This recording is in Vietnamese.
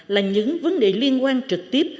là những vấn đề liên quan trực tiếp